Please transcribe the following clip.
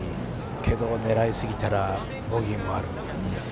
けど狙いすぎたらボギーもある。